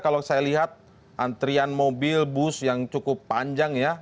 kalau saya lihat antrian mobil bus yang cukup panjang ya